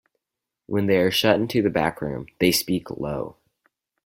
When they are shut into the back room, they speak low.